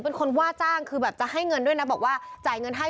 เป็นคนว่าจ้างคือแบบจะให้เงินด้วยนะบอกว่าจ่ายเงินให้